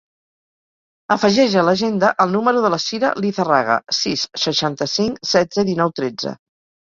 Afegeix a l'agenda el número de la Sira Lizarraga: sis, seixanta-cinc, setze, dinou, tretze.